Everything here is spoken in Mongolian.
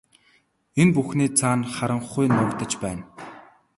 Энэ бүхний цаана харанхуй нуугдаж байна.